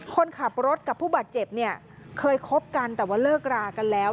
คนขับรถกับผู้บาดเจ็บเนี่ยเคยคบกันแต่ว่าเลิกรากันแล้ว